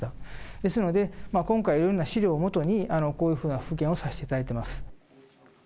ですので、今回、いろんな資料を基にこういうふうな復元をさせていただいております。